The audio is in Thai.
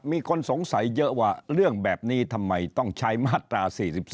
มีคนสงสัยเยอะว่าเรื่องแบบนี้ทำไมต้องใช้มาตรา๔๒